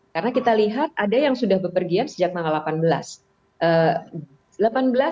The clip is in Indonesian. karena kita lihat ada yang sudah berpergian sejak tanggal delapan belas